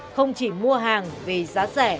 không chỉ mua hàng vì giá rẻ